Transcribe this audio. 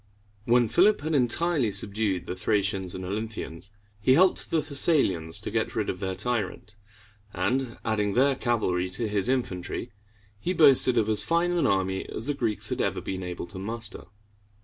When Philip had entirely subdued the Thracians and Olynthians, he helped the Thessalians to get rid of their tyrant; and, adding their cavalry to his infantry, he boasted of as fine an army as the Greeks had ever been able to muster.